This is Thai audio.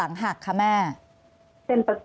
อันดับที่สุดท้าย